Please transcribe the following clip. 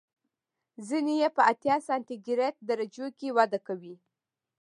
ځینې یې په اتیا سانتي ګراد درجو کې وده کوي.